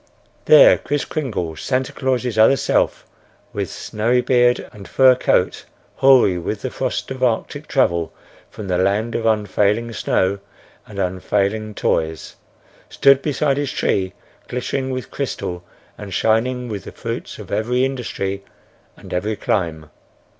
There Kris Kringle, Santa Claus's other self, with snowy beard, and fur coat hoary with the frost of Arctic travel from the land of unfailing snow and unfailing toys, stood beside his tree glittering with crystal and shining with the fruits of every industry and every clime.